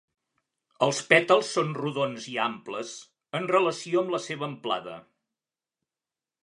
Els pètals són rodons i amples en relació amb la seva amplada.